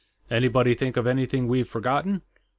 Anybody think of anything we've forgotten?...